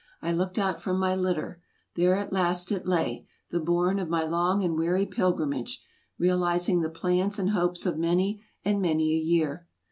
I looked out from my litter. There at last it lay, the bourne of my long and weary pilgrimage, realizing the plans and hopes of many and many a year.